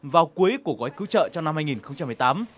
vào cuối của gói cứu trợ cho năm hai nghìn một mươi tám